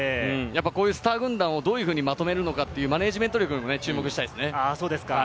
スター軍団をどういうふうにまとめるのかというマネジメント力も注目したいですね。